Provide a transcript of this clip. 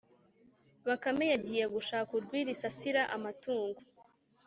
bakame yagiye gushaka urwiri isasira amatungo.